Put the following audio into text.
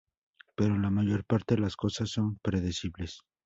Pero en la mayor parte, las cosas son predecibles.